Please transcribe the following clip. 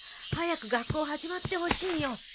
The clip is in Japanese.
早く学校始まってほしいよ。